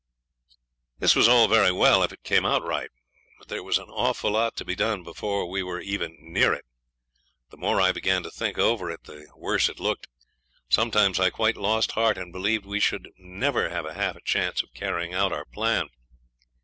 This was all very well if it came out right; but there was an awful lot to be done before we were even near it. The more I began to think over it the worse it looked; sometimes I quite lost heart, and believed we should never have half a chance of carrying out our plan.